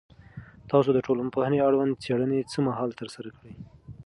تاسو د ټولنپوهنې اړوند څېړنې څه مهال ترسره کړي؟